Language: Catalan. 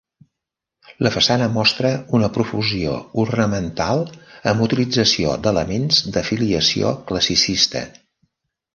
La façana mostra una profusió ornamental amb utilització d'elements de filiació classicista.